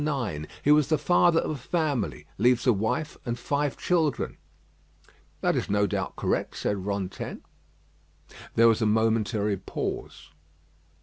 He was the father of a family; leaves a wife and five children." "That is no doubt correct," said Rantaine. There was a momentary pause.